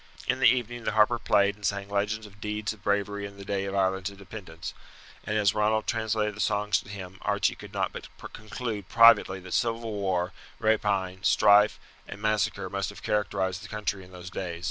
In the evening the harper played and sang legends of deeds of bravery in the day of Ireland's independence; and as Ronald translated the songs to him Archie could not but conclude privately that civil war, rapine, strife, and massacre must have characterized the country in those days.